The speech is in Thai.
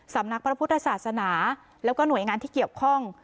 สำนักพระพุทธศาสนาแล้วก็หน่วยงานที่เกี่ยวข้อง